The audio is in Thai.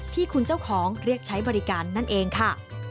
ที่คุณเจ้าของเรียกใช้บริการนั่นเองค่ะ